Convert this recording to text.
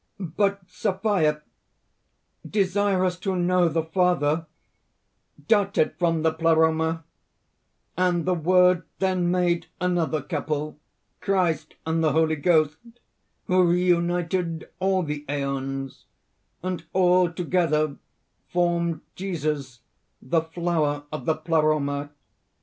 "But Sophia, desirous to know the Father, darted from the Pleroma; and the Word then made another couple, Christ and the Holy Ghost, who reunited all the Æons; and all together formed Jesus, the flower of the Pleroma.